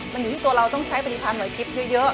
มันอยู่ที่ตัวเราต้องใช้บริษีจีภาพหน่วยกริปเยอะ